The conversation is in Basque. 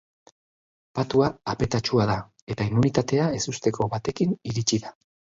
Patua apetatsua da, eta immunitatea ezusteko batekin iritsi da.